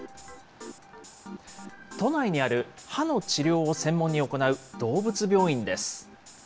都内にある歯の治療を専門に行う動物病院です。